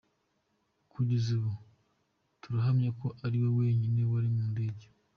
"Kugeza ubu, turahamya ko ari we wenyine wari mu ndege.